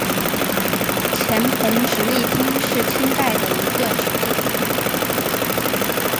黔彭直隶厅是清代的一个直隶厅。